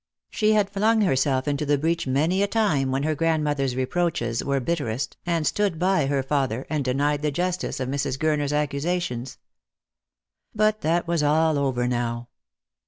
She had flung herself into the breach many a time when her grandmother's reproaches were bitterest, and stood by her father, and denied the justice of Mrs. Gurner's accusations. But that was all over now.